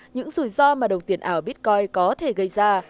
những rủi ro mà đồng tiền ảo bitcoin có thể gây ra